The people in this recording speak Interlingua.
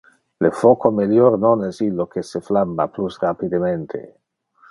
Le foco melior non es illo que se flamma plus rapidemente.